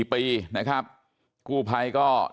แล้วป้าไปติดหัวมันเมื่อกี้แล้วป้าไปติดหัวมันเมื่อกี้